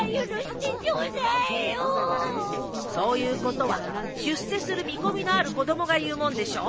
そういうことは出世する見込みのある子供が言うもんでしょ。